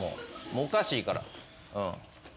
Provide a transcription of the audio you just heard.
おかしいから。